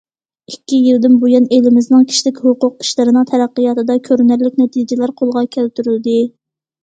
ئىككى يىلدىن بۇيان، ئېلىمىزنىڭ كىشىلىك ھوقۇق ئىشلىرىنىڭ تەرەققىياتىدا كۆرۈنەرلىك نەتىجىلەر قولغا كەلتۈرۈلدى.